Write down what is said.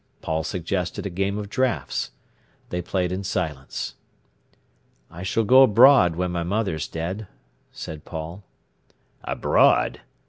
Paul suggested a game of draughts. They played in silence. "I s'll go abroad when my mother's dead," said Paul. "Abroad!"